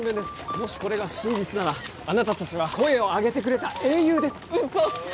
もしこれが真実ならあなた達は声を上げてくれた英雄です嘘つき